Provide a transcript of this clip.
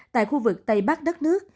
tại khu vực tây bắc đất nước